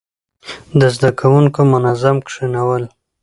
د زده کوونکو منظم کښينول،